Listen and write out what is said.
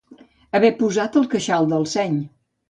Haver posat el queixal del seny.